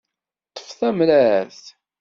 Ṭṭef tamrart.